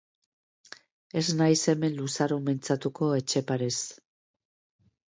Ez naiz hemen luzaro mintzatuko Etxeparez.